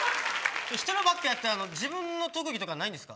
ひとのばっかやって自分の特技とかないんですか？